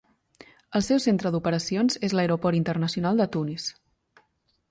El seu centre d'operacions és l'Aeroport Internacional de Tunis.